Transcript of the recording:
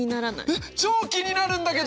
えっ超気になるんだけど！